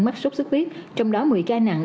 mắc xuất xuất khuyết trong đó một mươi ca nặng